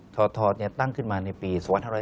ทตั้งขึ้นมาในปี๒๕๕๙